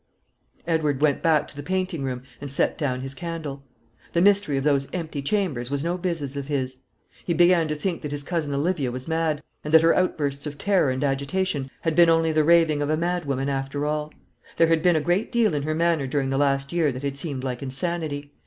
Edward went back to the painting room, and set down his candle. The mystery of those empty chambers was no business of his. He began to think that his cousin Olivia was mad, and that her outbursts of terror and agitation had been only the raving of a mad woman, after all. There had been a great deal in her manner during the last year that had seemed like insanity.